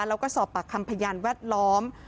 แล้วก็สอบปากคำพยานแวดล้อม